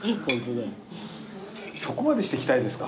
そこまでして来たいですか？